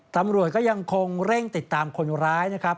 ตำรวจก็ยังคงเร่งติดตามคนร้ายนะครับ